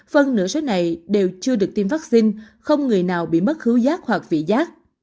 phần nửa số này đều chưa được tiêm vaccine không người nào bị mất hữu giác hoặc vị giác